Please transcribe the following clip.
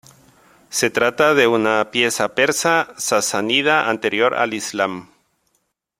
Se trata de una pieza persa-sasánida anterior al Islam.